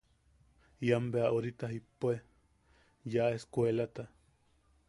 Ian bea jaibu orita jippue ya eskuelata.